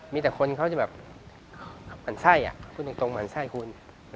มีแต่คนเขาจะแบบหันไส้อ่ะพูดจริงหันไส้คุณ